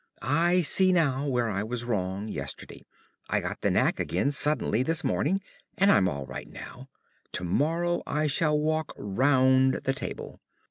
I see now where I was wrong yesterday. I got the knack again suddenly this morning, and I'm all right now. To morrow I shall walk round the table.